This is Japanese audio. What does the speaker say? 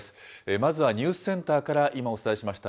まずはニュースセンターから、今お伝えしました